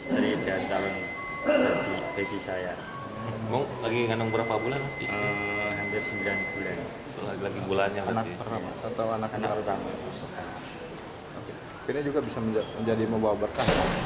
khoiful mengesankan bagi indonesia dalam cabang olahraga downhill asian games dua ribu delapan belas